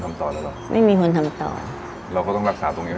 เขาไม่มีคนทำต่อแล้วน่ะ